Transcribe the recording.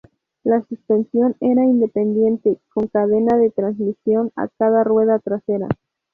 La suspensión era independiente con cadena de transmisión a cada rueda trasera.